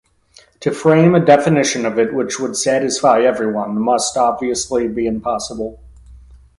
To frame a definition of it which would satisfy everyone must obviously be impossible.